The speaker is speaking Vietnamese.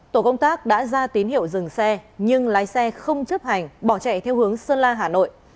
tổ công tác đã ra tín hiệu dừng xe nhưng lái xe không chấp hành bỏ chạy theo hướng sơn la hà nội